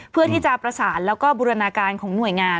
เพื่อที่จะประสานแล้วก็บูรณาการของหน่วยงาน